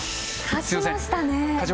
勝ちました。